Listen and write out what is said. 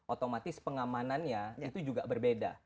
otomatis pengamanannya itu juga berbeda